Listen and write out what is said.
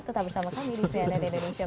tetap bersama kami di cnn indonesia